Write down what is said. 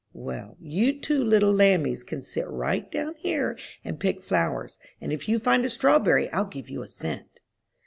"Well, you two little lammies can sit right down here and pick flowers, and if you find a strawberry I'll give you a cent."